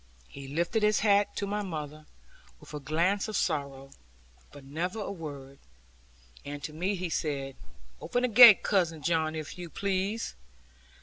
He lifted his hat to my mother, with a glance of sorrow, but never a word; and to me he said, 'Open the gate, Cousin John, if you please.